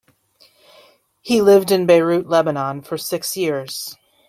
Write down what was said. He lived in Beirut, Lebanon, for six years.